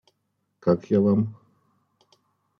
Как я Вам?